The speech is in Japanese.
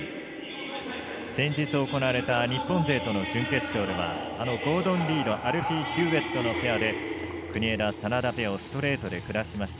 先日行われた日本勢との試合ではゴードン・リードアルフィー・ヒューウェットのペアで国枝、眞田ペアをストレートで下しました。